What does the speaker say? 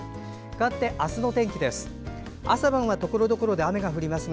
かわって、明日の天気です。